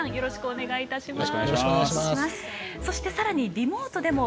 よろしくお願いします。